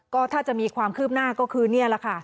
ก็ถ้าจะมีความคืบหน้าก็คือนี่แหละค่ะ